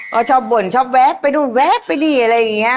เขาชอบบ่นชอบแวะไปดูแวะไปดีอะไรอย่างนี้